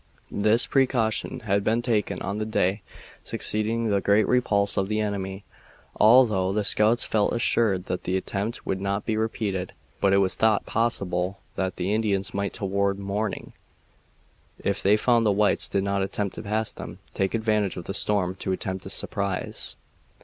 This precaution had been taken on the day succeeding the great repulse of the enemy, although the scouts felt assured that the attempt would not be repeated. But it was thought possible that the Indians might toward morning, if they found the whites did not attempt to pass them, take advantage of the storm to attempt a surprise.